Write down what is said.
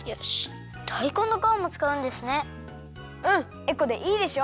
エコでいいでしょ！